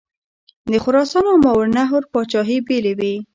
د خراسان او ماوراءالنهر پاچهي بېلې وې.